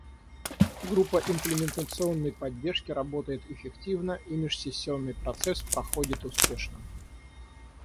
Группа имплементационной поддержки работает эффективно, и межсессионный процесс проходит успешно.